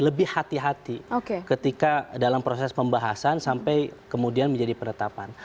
lebih hati hati ketika dalam proses pembahasan sampai kemudian menjadi penetapan